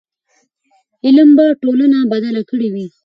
علم به ټولنه بدله کړې وي.